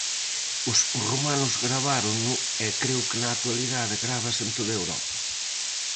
Os romanos gravárono, e creo que na actualidade grávase en toda Europa.